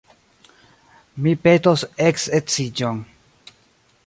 Mi petos eksedziĝon.